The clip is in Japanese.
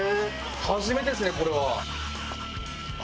初めてですねこれは。